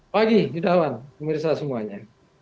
pagi judawan pemerintah semuanya